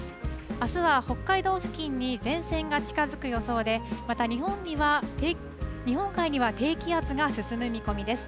あすは北海道付近に前線が近づく予想でまた日本海には低気圧が進む見込みです。